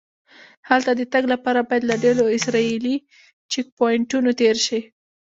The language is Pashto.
هلته د تګ لپاره باید له ډېرو اسرایلي چیک پواینټونو تېر شې.